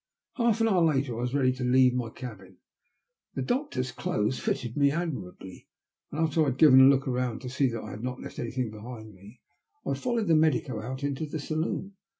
Half an hour later I was ready to leave my cabin. The doctor's clothes fitted me admirably, and after I had given a look round to see that I had not left anjrthing behind me, I followed the medico out into the saloon.